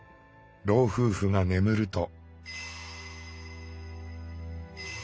老夫婦が眠ると。